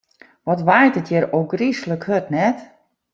Wat waait it hjir ôfgryslike hurd, net?